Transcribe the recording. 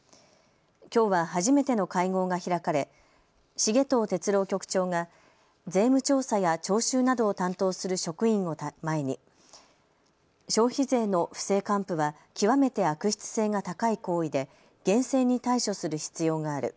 きょうは初めての会合が開かれ重藤哲郎局長が税務調査や徴収などを担当する職員を前に消費税の不正還付は極めて悪質性が高い行為で厳正に対処する必要がある。